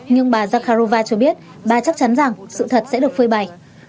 nhưng bà zakharova cho biết bà chắc chắn rằng sự thật sẽ được phơi bày